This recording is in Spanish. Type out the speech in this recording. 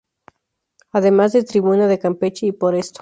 Además de Tribuna de Campeche y Por Esto!